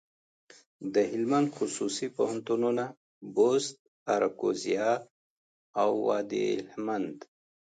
دهلمند خصوصي پوهنتونونه، بُست، اراکوزیا او وادي هلمند.